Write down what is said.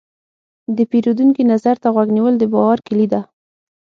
د پیرودونکي نظر ته غوږ نیول، د باور کلي ده.